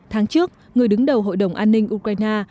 tháng trước người đứng đầu hội đồng an ninh ukraine